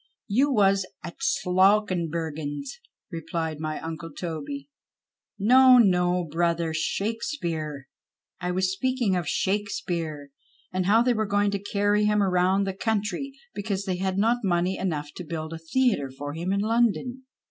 " You was at Slawkenbergius," replied my uncle Toby. " No, no, brother, Shakespeare, I was speaking of Shakespeare, and how they were going to carry him round the country because they had not money enough to build a theatre for him in London."